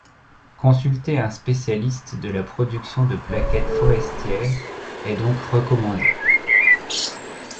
Consulter un spécialiste de la production de plaquettes forestières est donc recommandé.